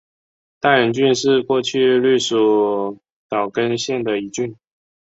大原郡是过去隶属岛根县的一郡。